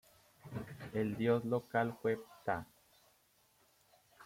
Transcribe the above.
El dios local fue Ptah.